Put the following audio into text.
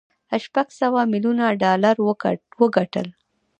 شپږ سوه ميليونه ډالر وګټل.